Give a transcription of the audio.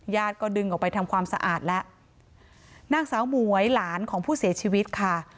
ก็ดึงออกไปทำความสะอาดแล้วนางสาวหมวยหลานของผู้เสียชีวิตค่ะ